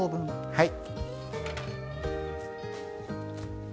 はい。